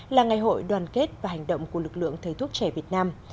là ngày hội đoàn kết và hành động của lực lượng thầy thuốc trẻ việt nam